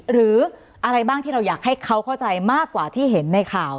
หรืออะไรบ้างที่เราอยากให้เขาเข้าใจมากกว่าที่เห็นในข่าว